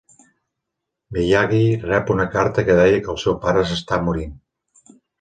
Miyagi rep una carta que deia que el seu pare s'està morint.